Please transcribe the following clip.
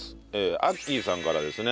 あっきーさんからですね。